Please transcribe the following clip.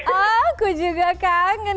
aku juga kangen